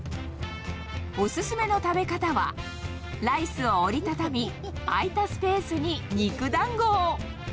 お勧めの食べ方は、ライスを折りたたみ、空いたスペースに肉だんごを。